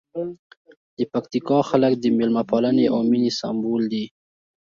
د پکتیکا خلک د مېلمه پالنې او مینې سمبول دي.